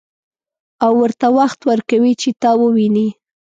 او ورته وخت ورکوي چې تا وويني.